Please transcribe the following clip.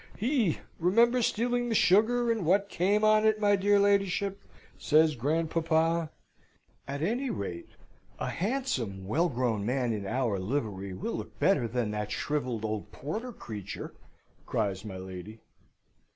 "He! Remember stealing the sugar, and what came on it, my dear ladyship?" says grandpapa. "At any rate, a handsome, well grown man in our livery will look better than that shrivelled old porter creature!" cries my lady.